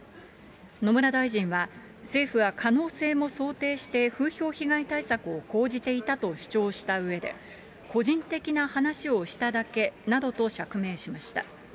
野村大臣は、政府は可能性も想定して風評被害対策を講じていたと主張したうえで、個人的な話をしただけなどと釈明しました。